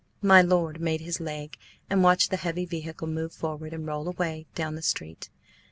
My lord made his leg, and watched the heavy vehicle move forward and roll away down the street.